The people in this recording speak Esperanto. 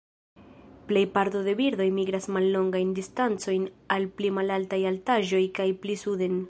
Plej parto de birdoj migras mallongajn distancojn al pli malaltaj altaĵoj kaj pli suden.